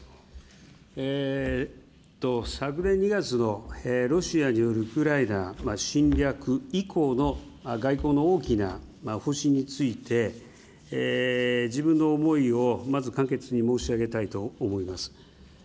昨年２月のロシアによるウクライナ侵略以降の外交の大きな方針について、自分の思いをまず簡潔に申し上げたいと思います。